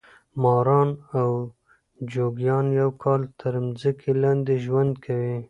ماران او جوګیان یو کال تر مځکې لاندې ژوند کوي.